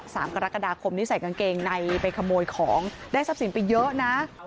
สามกรกฎาคมนี้ใส่กางเกงในไปขโมยของได้ทรัพย์สินไปเยอะนะ